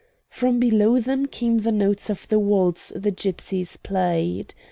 From below them came the notes of the waltz the gypsies played.